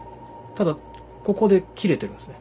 ただここで切れてますね。